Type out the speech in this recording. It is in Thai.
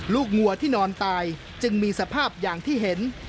วัวที่นอนตายจึงมีสภาพอย่างที่เห็น